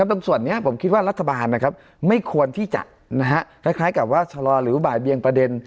บางส่วนนี้ผมคิดว่ารัฐบาลนะครับไม่ควรที่จะคล้ายกับว่าชะลอหรือบ่ายเบียงประเด็น